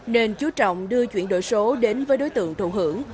nền chú trọng đưa chuyển đổi số đến với đối tượng thù hưởng